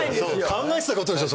考えてたことでしょ